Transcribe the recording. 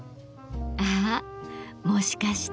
あもしかして。